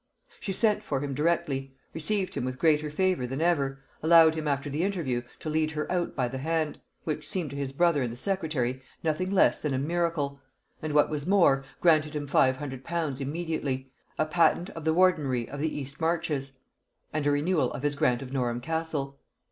She sent for him directly, received him with greater favor than ever, allowed him after the interview to lead her out by the hand, which seemed to his brother and the secretary nothing less than a miracle; and what was more, granted him five hundred pounds immediately, a patent of the wardenry of the east marches, and a renewal of his grant of Norham castle.